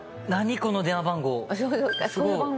この電話番号。